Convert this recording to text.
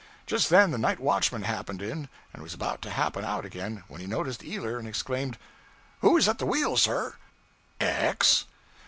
Just then the night watchman happened in, and was about to happen out again, when he noticed Ealer and exclaimed 'Who is at the wheel, sir?' 'X.'